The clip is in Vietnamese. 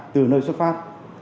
từ nơi xuất phát